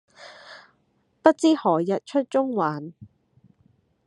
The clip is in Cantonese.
不知何日出中環